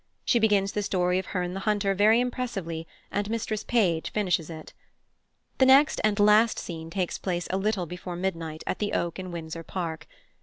She begins the story of Herne the Hunter very impressively, and Mistress Page finishes it. The next and last scene takes place a little before midnight, at the oak in Windsor Park.